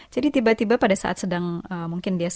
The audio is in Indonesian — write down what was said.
jadi tiba tiba pada saat sedang